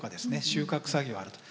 収穫作業あると。